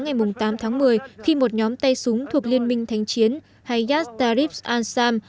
ngày tám tháng một mươi khi một nhóm tay súng thuộc liên minh thanh chiến hayat tarif al sam